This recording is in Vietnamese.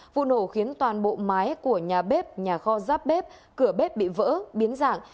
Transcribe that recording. vụ nổ khiến toàn bộ mái của nhà bếp nhà kho giáp bếp cửa bếp bị vỡ biến dạng